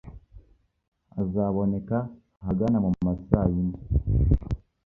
Azaboneka ahagana mu ma saa yine.